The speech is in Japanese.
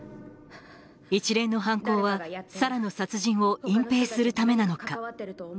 一連の犯行はサラの殺人を隠蔽するためなのか？